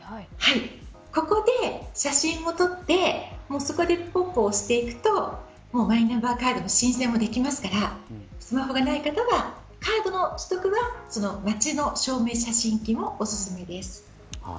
ここで写真を撮ってそこでぽんぽん押していくとマイナンバーカードの申請もできますからスマホのない方はカードの取得は街の証明写真機もおすすめです。